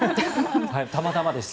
たまたまです。